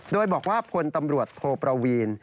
โดยบอกว่าพลตำรวจโทประวีน